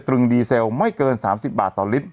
รึงดีเซลไม่เกิน๓๐บาทต่อลิตร